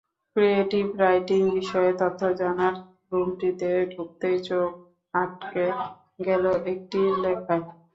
Creative writing বিষয়ে তথ্য জানার রুমটিতে ঢুকতেই চোখ আটকে গেল একটি লেখায়।